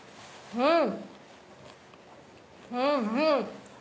うん！